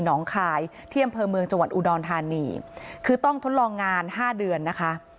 คายที่อำเภอเมืองจังหวัดอุดรธานีคือต้องทดลองงานห้าเดือนนะคะ